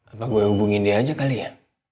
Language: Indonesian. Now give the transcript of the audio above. apa gue hubungin dia aja kali ya